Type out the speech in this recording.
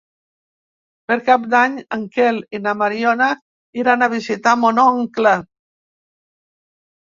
Per Cap d'Any en Quel i na Mariona iran a visitar mon oncle.